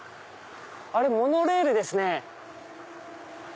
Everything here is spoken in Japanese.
あれモノレールですね。